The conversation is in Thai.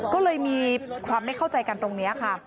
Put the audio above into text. ก็เลยมีความไม่เข้าใจกันตรงนี้ค่ะ